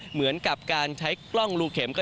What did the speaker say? เหมือนกับการใช้กล้องรูเข็มก็